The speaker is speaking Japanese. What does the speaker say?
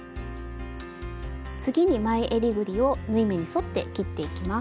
次に前えりぐりを縫い目に沿って切っていきます。